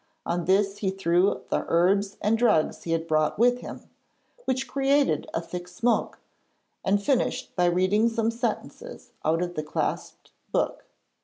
On this he threw the herbs and drugs he had brought with him, which created a thick smoke, and finished by reading some sentences out of the clasped book.